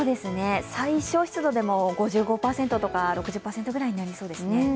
最小湿度５５％とか６０％くらいになりそうですね。